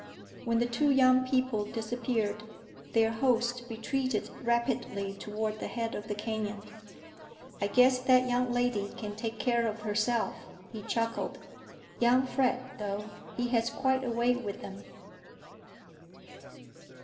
When the two young people disappeared, their host retreated rapidly toward the head of the canyon. "I guess that young lady can take care of herself," he chuckled. "Young Fred, though, he has quite a way with them."